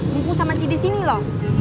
ngumpul sama si di sini lho